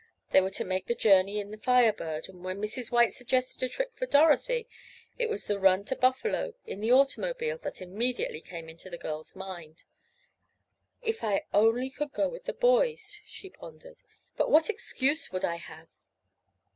They were to make the journey in the Fire Bird, and when Mrs. White suggested a trip for Dorothy it was the run to Buffalo, in the automobile, that immediately came into the girl's mind. "If I only could go with the boys," she pondered. "But what excuse would I have?"